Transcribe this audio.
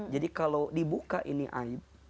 jadi kalau dibuka ini